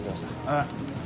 ああ。